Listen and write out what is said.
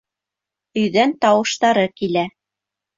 Өйҙән тауыштары килә.